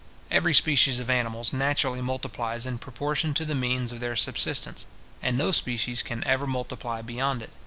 Every species of animals naturally multiplies in proportion to the means of their subsistence, and no species can ever multiply beyond it.